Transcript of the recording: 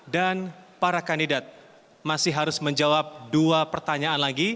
dan para kandidat masih harus menjawab dua pertanyaan lagi